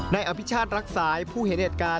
ในอภิชาตรรักษายผู้เห็นเอกตร์การ